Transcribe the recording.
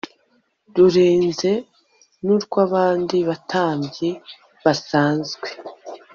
rurenze n'urw'abandi batambyi basanzwe